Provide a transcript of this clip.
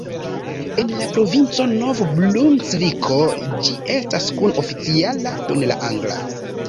En la provinco Nov-Brunsviko ĝi estas kun-oficiala kun la angla.